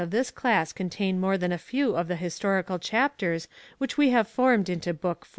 of this class contain more than a few of the historical chapters which we have formed into Book IV.